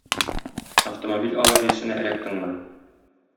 Автомобиль авариясенә эләктеңме?